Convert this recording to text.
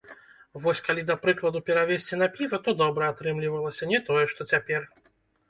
Вось калі, да прыкладу, перавесці на піва, то добра атрымлівалася, не тое што цяпер!